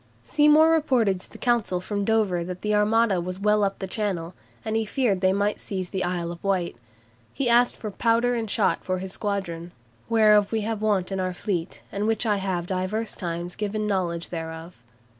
Seymour reported to the Council from Dover that the Armada was well up Channel, and he feared they might seize the Isle of Wight. He asked for "powder and shot" for his squadron "whereof we have want in our fleet, and which I have divers times given knowledge thereof."